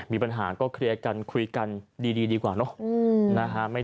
มีปัญหาก็เคลียร์กันคุยกันดีดีกว่าเนอะ